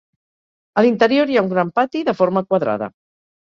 A l'interior hi ha un gran pati de forma quadrada.